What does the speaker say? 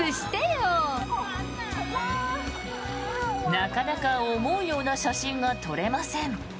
なかなか思うような写真が撮れません。